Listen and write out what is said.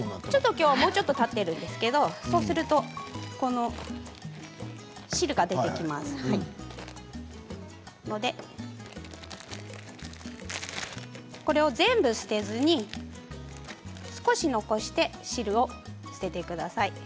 今日はもう少し時間がたっているんですけどそうすると汁が出てきますのでこれを全部捨てずに少し残して汁を捨ててください。